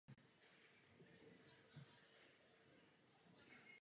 Ve městě se nachází moderní vnitřní basketbalová hala.